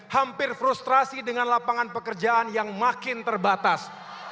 hampir frustrasi dengan lapangan pekerjaan yang makin terbatas